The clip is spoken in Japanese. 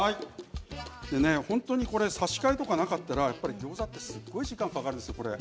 本当に差し替えとかなかったらギョーザって本当に時間かかるんですよ。